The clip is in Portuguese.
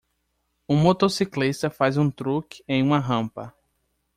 Um motociclista faz um truque em uma rampa.